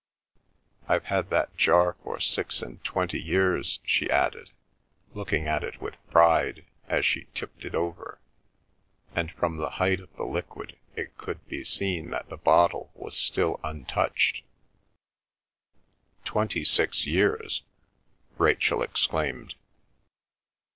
I've had that jar for six and twenty years," she added, looking at it with pride, as she tipped it over, and from the height of the liquid it could be seen that the bottle was still untouched. "Twenty six years?" Rachel exclaimed.